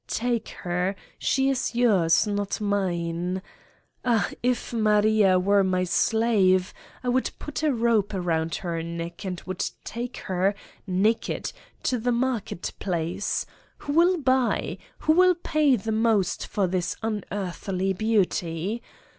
Take her. She is yours, not mine. Ah, if Maria were my slave, I would putja rope around her neck and would take her, naked, to the market place : Who will buy? Who will pay the most for this unearthly beauty?